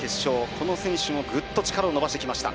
この選手も、ぐっと力を伸ばしてきました。